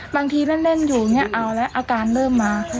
บางทีเล่นอยู่เนี่ยเอาแล้วอาการเริ่มมา